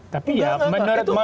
tapi ya menurut mas